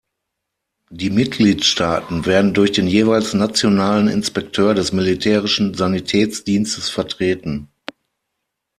Die Mitgliedsstaaten werden durch den jeweils nationalen Inspekteur des militärischen Sanitätsdienstes vertreten.